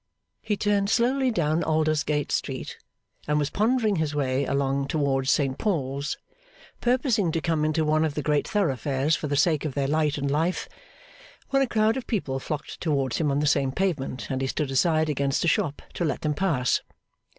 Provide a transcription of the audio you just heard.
He turned slowly down Aldersgate Street, and was pondering his way along towards Saint Paul's, purposing to come into one of the great thoroughfares for the sake of their light and life, when a crowd of people flocked towards him on the same pavement, and he stood aside against a shop to let them pass.